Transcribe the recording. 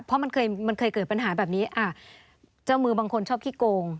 เพราะมันเคยมันเคยเกิดปัญหาแบบนี้เจ้ามือบางคนชอบขี้โกง